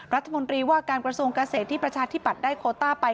รัฐมนตรีว่าการกระทรวงเกษตรที่ประชาธิปัตย์ได้โคต้าไป